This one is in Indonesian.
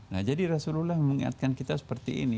nah jadi rasulullah mengingatkan kita seperti ini